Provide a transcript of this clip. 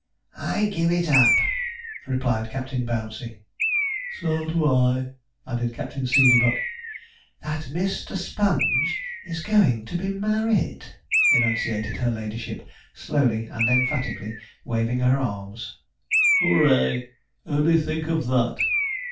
'I give it up,' replied Captain Bouncey. 'So do I,' added Captain Seedeybuck. 'That Mr. Sponge is going to be married,' enunciated her ladyship, slowly and emphatically, waving her arms. 'Ho o ray! Only think of that!'